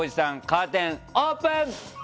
カーテンオープン！